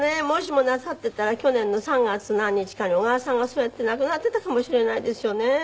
もしもなさってたら去年の３月何日かに小川さんがそうやって亡くなってたかもしれないですよね。